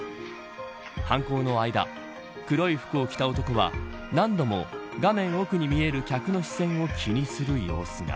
犯行の間黒い服を着た男は何度も画面奥に見える客の視線を気にする様子が。